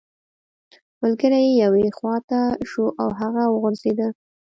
ملګری یې یوې خوا ته شو او هغه وغورځیده